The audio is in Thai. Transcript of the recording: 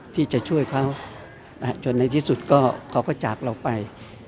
ที่จะช่วยเขาจนในที่สุดก็เขาก็จากเราไป